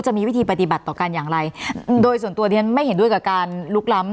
จะมีวิธีปฏิบัติต่อกันอย่างไรโดยส่วนตัวดิฉันไม่เห็นด้วยกับการลุกล้ำ